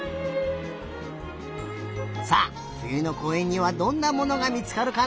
さあふゆのこうえんにはどんなものがみつかるかな？